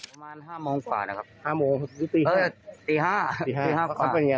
ประมาณห้ามองกว่านะครับห้ามองตีห้าตีห้าตีห้าเขาเป็นไง